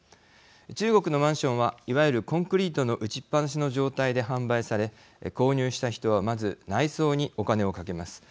中国のマンションはいわゆるコンクリートの打ちっぱなしの状態で販売され購入した人はまず内装にお金をかけます。